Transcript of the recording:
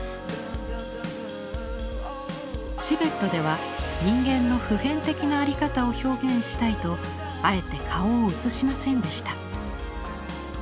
チベットでは人間の普遍的な在り方を表現したいとあえて顔を写しませんでした。